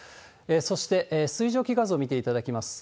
そして水蒸気画像を見ていただきます。